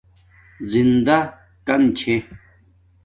زندݳ کم چھے